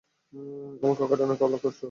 আমাকে অকারণে কল করছো।